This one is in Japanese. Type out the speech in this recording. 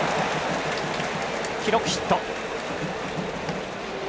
記録ヒット。